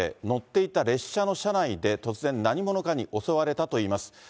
乗っていた列車の車内で突然、何者かに襲われたといいます。